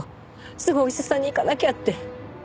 すぐお医者さんに行かなきゃって。